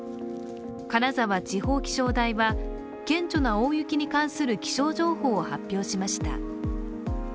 金沢地方気象台は顕著な大雪に関する気象情報を発表しました。